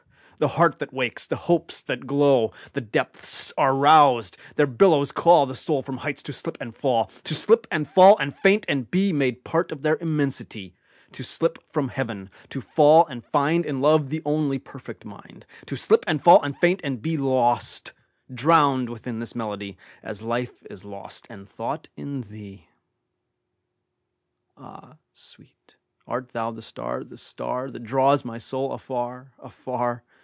The heart that wakes, the hopes that glow! The depths are roused: their billows callThe soul from heights to slip and fall; To slip and fall and faint and beMade part of their immensity; To slip from Heaven; to fall and findIn love the only perfect mind; To slip and fall and faint and beLost, drowned within this melody, As life is lost and thought in thee. Ah, sweet, art thou the star, the starThat draws my soul afar, afar?